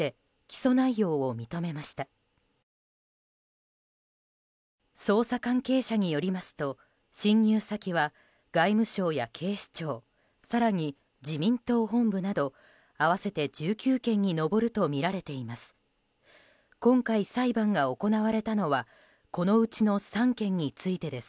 捜査関係者によりますと侵入先は外務省や警視庁更に自民党本部など合わせて１９件に上るとみられています。